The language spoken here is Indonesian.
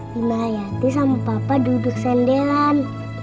bimariati sama papa duduk sendiran